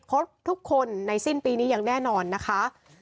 ทุกคนในสิ้นปีนี้อย่างแน่นอนนะคะ